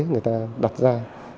người ta đặt ra